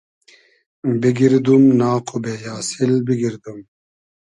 بیگیردوم ناق و بې آسیل بیگیردوم